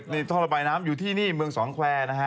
นี่ท่อระบายน้ำอยู่ที่นี่เมืองสองแควร์นะฮะ